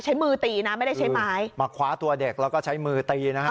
มือตีนะไม่ได้ใช้ไม้มาคว้าตัวเด็กแล้วก็ใช้มือตีนะฮะ